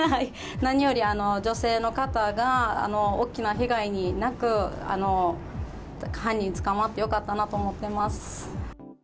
何より女性の方が、大きな被害なく、犯人捕まってよかったなと思ってます。